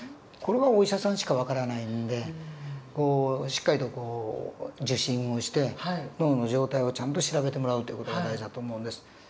これはお医者さんしか分からないんでしっかりと受診をして脳の状態をちゃんと調べてもらうという事が大事だと思うんです。